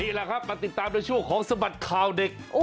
นี่แหละครับมาติดตามในช่วงของสบัดข่าวเด็ก